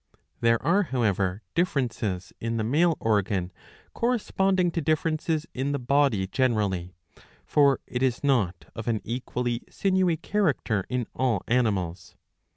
There are, how ever, differences in the male organ corresponding to. differences in the body generally. For it is not of an equally sinewy character in all animals.